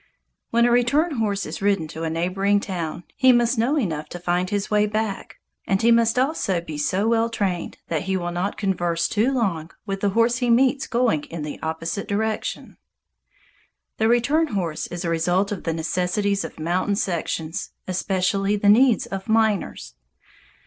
When a return horse is ridden to a neighboring town, he must know enough to find his way back, and he must also be so well trained that he will not converse too long with the horse he meets going in the opposite direction. The return horse is a result of the necessities of mountain sections, especially the needs of miners.